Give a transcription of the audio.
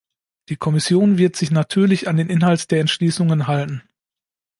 Die Kommission wird sich natürlich an den Inhalt der Entschließungen halten.